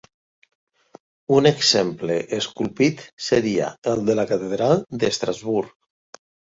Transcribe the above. Un exemple esculpit seria el de la Catedral d"Estrasburg.